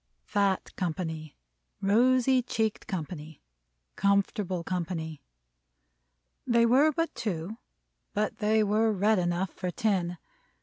Fat company, rosy cheeked company, comfortable company. They were but two, but they were red enough for ten.